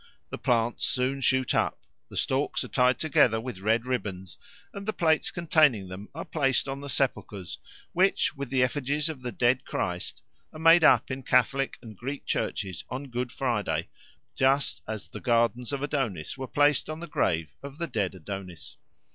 The plants soon shoot up; the stalks are tied together with red ribbons, and the plates containing them are placed on the sepulchres which, with the effigies of the dead Christ, are made up in Catholic and Greek churches on Good Friday, just as the gardens of Adonis were placed on the grave of the dead Adonis.